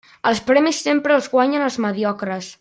Els premis sempre els guanyen els mediocres.